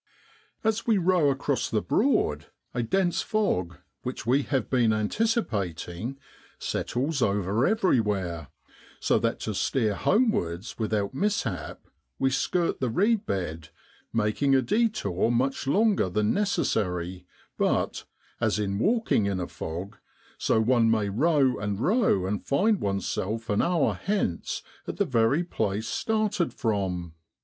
As we row across the Broad, a dense fog, which we have been anticipating, settles over everywhere, so that to steer homewards without mishap we skirt the reed bed, making a detour much longer than necessary, but, as in walking in a fog, so one may row and row and find oneself an hour hence at the very place started from.